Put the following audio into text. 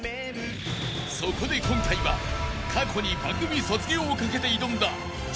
［そこで今回は過去に番組卒業を懸けて挑んだ］